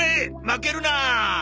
負けるなー。